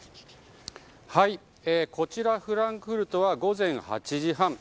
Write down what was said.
こちらフランクフルトは午前８時半。